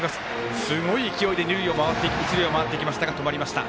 すごい勢いで一塁を回っていきましたが止まりました。